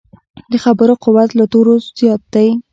د خبرو قوت له تورو زیات دی.